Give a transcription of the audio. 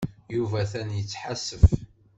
Yuba atan yesḥassef.